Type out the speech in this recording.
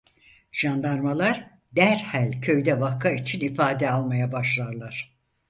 Jandarmalar derhal köyde vaka için ifade almaya başlarlar.